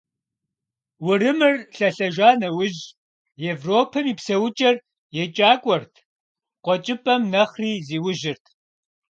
Урымыр лъэлъэжа нэужь, Европэм и псэукӀэр екӀакӀуэрт, КъуэкӀыпӀэм нэхъри зиужьырт.